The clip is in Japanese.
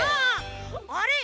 あれ？